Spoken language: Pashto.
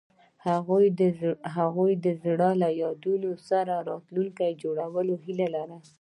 هغوی د زړه له یادونو سره راتلونکی جوړولو هیله لرله.